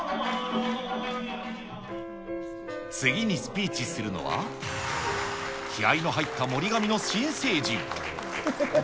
次にスピーチするのは、気合いの入った盛り髪の新成人。